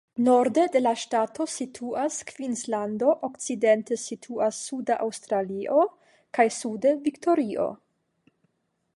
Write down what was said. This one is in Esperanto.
Norde de la ŝtato situas Kvinslando, okcidente situas Suda Aŭstralio, kaj sude Viktorio.